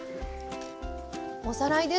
おさらいです。